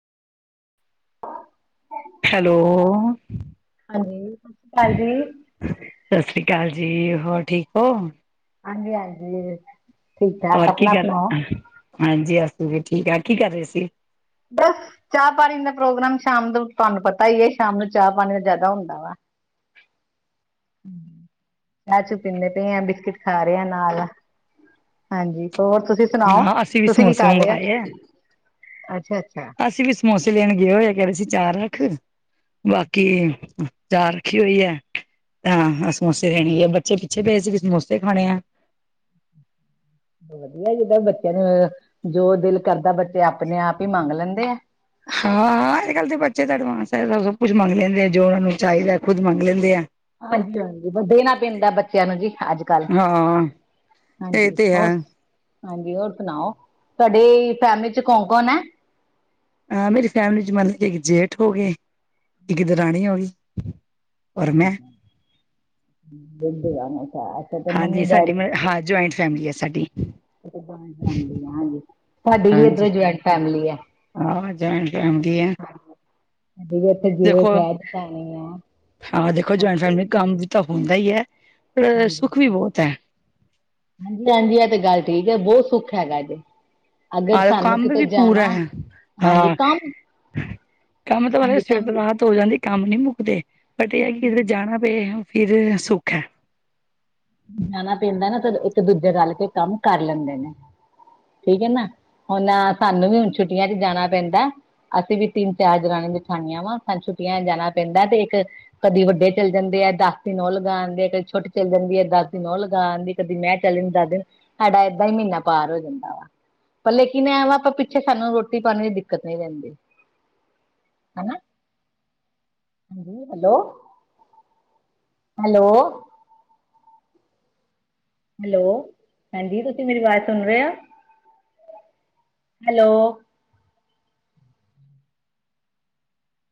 Hello ਹਾਂਜੀ, ਸਤਿ ਸ਼੍ਰੀ ਅਕਾਲ ਜੀ। ਸਾਸਰੀ ਕਾਲ ਜੀ ਹੋਰ ਠੀਕ ਔ ਹਾਂਜੀ- ਹਾਂਜੀ, ਠੀਕ -ਠਾਕ ਹੋਰ ਕੀ ਆਪਣਾ ਕਰ ਸੁਣਾਓ ਹਾਂਜੀ ਅਸੀਂ ਵੀ ਠੀਕ ਆ ਕੀ ਕਰ ਰਹੇ ਸੀ? ਬਸ ਚਾਹ ਪਾਣੀ ਦਾ ਪ੍ਰੋਗਰਾਮ ਸ਼ਾਮ ਨੂੰ ਤੁਹਾਨੂੰ ਪਤਾ ਹੀ ਐ ਸ਼ਾਮ ਨੂੰ ਚਾਹ ਪਾਣੀ ਦਾ ਜ਼ਿਆਦਾ ਹੁੰਦਾ ਵਾ। [inaudible] ਚਾਹ -ਚੂ, ਪੀਂਦੇ ਪਏ ਆ ਬਿਸਕਿਟ ਖਾ ਰਹੇ ਆ ਨਾਲ। ਹਾਂਜੀ ਹੋਰ ਤੁਸੀਂ ਸੁਣਾਓ ਹਾਂ, ਅਸੀਂ ਵੀ ਤੁਸੀਂ ਕੀ ਸਮੋਸੇ ਕਰ ਰਹੇ ਓ ਮੰਗਵਾਏ ਐ। ਅੱਛਾ - ਅੱਛਾ। ਅਸੀਂ ਵੀ ਸਮੋਸੇ ਲੈਣ ਗਏ ਹੋਏ ਆ ਕਹਿੰਦੇ ਸੀ ਚਾਹ ਰੱਖ ਬਾਕੀ ਚਾਹ ਰੱਖੀ ਹੋਈ ਐ। ਹਾਂ - ਹਾਂ ਸਮੋਸੇ ਲੈਣ ਗਏ ਬੱਚੇ ਪਿੱਛੇ ਪਏ ਸੀ ਕੀ ਸਮੋਸੇ ਖਾਣੇ ਆ। ਵਧੀਆ ਜਿੱਦਾਂ ਬੱਚਿਆਂ ਨੂੰ ਜੋ ਦਿਲ ਕਰਦਾ ਬੱਚੇ ਆਪਣੇ ਆਪ ਹੀ ਮੰਗ ਲੈਂਦੇ ਆ। ਹਾਂ ਇਹ ਗੱਲ ਤੇ ਬੱਚੇ ਦਾ ਐਡਵਾਂਸ ਹੈਗਾ ਸਭ ਕੁਛ ਮੰਗਦੇ ਆ ਜੋ ਉਹਨਾਂ ਨੂੰ ਚਾਹੀਦਾ ਖੁਦ ਮੰਗ ਲੈਂਦੇ ਆ। ਹਾਂਜੀ- ਹਾਂਜੀ ਪਰ ਦੇਣਾ ਪੈਂਦਾ ਬੱਚਿਆਂ ਨੂੰ ਜੀ ਅੱਜਕਲ। ਹਾਂ। ਇਹ ਹਾਂਜੀ ਤੇ ਹੈ। ਹੋਰ ਹਾਂਜੀ, ਹੋਰ ਸੁਣਾਓ ਤੁਹਾਡੀ ਫੈਮਿਲੀ 'ਚ ਕੌਣ- ਕੌਣ ਐ? ਅਹ, ਮੇਰੀ ਫੈਮਿਲੀ 'ਚ ਮੰਨ ਕਿ ਇੱਕ ਜੇਠ ਹੋ ਗਏ ਇੱਕ ਦਰਾਣੀ ਹੋ ਗਈ ਔਰ ਮੈਂ ਦੁੱਧ ਆ ਨਸ਼ਾ ਅੱਛਾ ਤੇ ਮੰਮੀ ਹਾਂਜੀ ਸਾਡੀ ਡੈਡੀ ਹਾਂ ਜੁਆਇੰਟ ਫੈਮਿਲੀ ਆ ਸਾਡੀ। ਇੱਕ ਸਮਝ ਨੀ ਆਂਦੀ ਨਾ ਜੀ ਸਾਡੀ ਵੀ ਏਦਾਂ ਈ ਜੁਆਇੰਟ ਫੈਮਿਲੀ ਐ। ਆਹ ਜੌਇੰਟ ਫੈਮਲੀ ਐ। ਸਾਡੀ ਵੀ ਇੱਥੇ ਦੇਖੋ ਜੇਠ ਹੈ ਜਠਾਣੀ ਹੈ ਆਹ ਦੇਖੋ ਜੌਇੰਟ ਹਾਂਜੀ ਫੈਮਲੀ ਕੰਮ ਵੀ ਤਾਂ ਹੁੰਦਾ ਈ ਐ ਪਰ ਸੁੱਖ ਵੀ ਬਹੁਤ ਐ। ਹਾਂਜੀ-ਹਾਂਜੀ ਇਹ ਤੇ ਗੱਲ ਠੀਕ ਐ ਬਹੁਤ ਸੁੱਖ ਹੈਗਾ ਜੇ। ਅਗਰ ਆਹੋ ਸਾਨੂੰ ਕੰਮ ਕਿਤੇ ਵੀ ਪੂਰਾ ਜਾਣਾ ਐ ਹਾਂਜੀ ਹਾਂ ਕੰਮ ਕੰਮ ਤਾਂ ਬਾਰੇ ਹਾਂਜੀ ਸਵੇਰ ਕੰਮ ਤੋਂ ਰਾਹਤ ਹੋ ਜਾਂਦੀ ਕੰਮ ਨੀ ਮੁੱਕਦੇ ਬਟ ਇਹ ਕਿ ਜੇ ਜਾਣਾ ਪਏ ਫਿਰ ਸੁੱਖ ਐ। ਜਾਣਾ ਪੈਂਦਾ ਨਾ ਤੇ ਇੱਕ ਦੂਜੇ ਰਲ ਕੇ ਕੰਮ ਕਰ ਲੈਂਦੇ ਨੇ। ਠੀਕ ਐ ਨਾ ਹੁਣ ਸਾਨੂੰ ਵੀ ਹੁਣ ਛੁੱਟੀਆਂ 'ਚ ਜਾਣਾ ਪੈਂਦਾ। ਅਸੀਂ ਵੀ ਤਿੰਨ ਚਾਰ ਦਰਾਣੀ- ਜਠਾਨੀਆਂ ਵਾ ਸਾਨੂੰ ਛੁੱਟੀਆਂ ਜਾਣਾ ਪੈਂਦਾ ਤੇ ਇੱਕ ਕਦੀ ਵੱਡੇ ਚੱਲ ਜਾਂਦੇ ਆ ਦਸ ਦਿਨ ਉਹ ਲਗਾਉਂਦੇ ਆ ਕਦੀ ਛੋਟੀ ਚੱਲ ਜਾਂਦੀ ਐ। ਦਸ ਦਿਨ ਉਹ ਲਗਾ ਆਂਦੀ ਕਦੀ ਮੈਂ ਚੱਲਦਾ ਦਸ ਦਿਨ ਸਾਡਾ ਏਦਾਂ ਹੀ ਮਹੀਨਾ ਪਾਰ ਹੋ ਜਾਂਦਾ ਵਾ। ਪਰ ਲੇਕਿਨ ਐ ਵਾਂ ਆਪਾਂ ਪਿੱਛੇ ਸਾਨੂੰ ਰੋਟੀ ਪਾਣੀ ਦੀ ਦਿੱਕਤ ਨਹੀਂ ਰਹਿੰਦੀ। [unintelligible] ਹੈਨਾ [inaudible] ਹਾਂ ਹੈਲੋ [inaudible] ਹੈਲੋ ਹੈਲੋ ਹਾਂਜੀ ਤੁਸੀਂ ਮੇਰੀ ਆਵਾਜ਼ ਸੁਣ ਰਹੇ ਆ [inaudible] ਹੈਲੋ